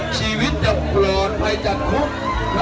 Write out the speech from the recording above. ชีวิตจะพร้อมไปจากคุก